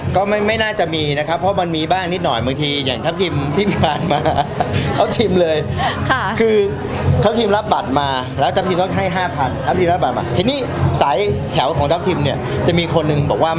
ก็ไม่น่าจะมีนะครับเพราะมันมีบ้านนิดหน่อยเหมือนที่อย่างท่านทิมกา